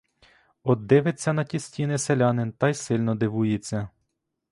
От дивиться на ті стіни селянин та й сильно дивується.